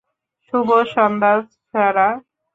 শুভ সন্ধ্যা Sarah.